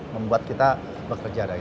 membuat kita bekerja